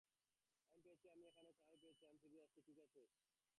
আমি পেয়েছি আমি এখানে আমি চাবি পেয়েছি আমি ফিরে আসছি, ঠিক আছে?